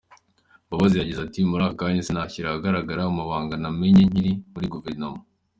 Mbabazi yagize ati: “Muri aka kanya, sinashyira ahagaragara amabanga namenye nkiri muri guverinoma.